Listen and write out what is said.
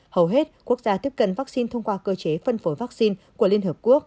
hầu hết quốc gia tiếp cận vaccine thông qua cơ chế phân phối vaccine của liên hợp quốc